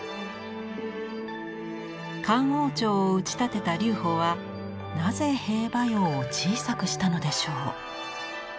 漢王朝を打ち立てた劉邦はなぜ兵馬俑を小さくしたのでしょう。